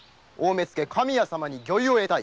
神谷様に御意を得たい。